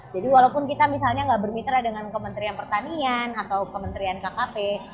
jadi walaupun kita misalnya gak bermitra dengan kementerian pertanian atau kementerian kkp